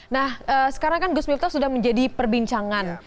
nah sekarang kan gus miftah sudah menjadi perbincangan